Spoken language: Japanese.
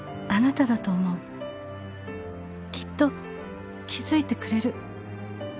「きっと気付いてくれる」